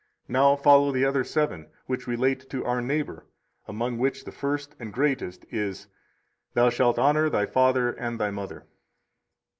Now follow the other seven, which relate to our neighbor, among which the first and greatest is: 104 Thou shalt honor thy father and thy mother.